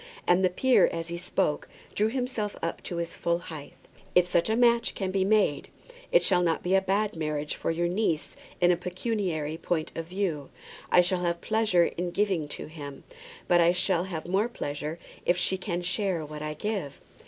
And the peer as he spoke drew himself up to his full height. "If such a match can be made, it shall not be a bad marriage for your niece in a pecuniary point of view. I shall have pleasure in giving to him; but I shall have more pleasure if she can share what I give."